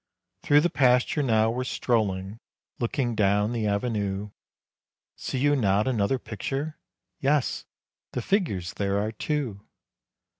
Through the pasture now we're strolling, looking down the avenue, See you not another picture? Yes; the figures there are two.